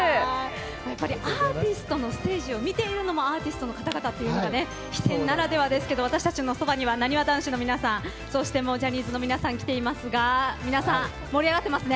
やっぱりアーティストのステージを見ているのもアーティストの方々というのが飛天ならではですが私たちのそばにはなにわ男子の皆さんそしてジャニーズの皆さん来ていますが皆さん、盛り上がってますね。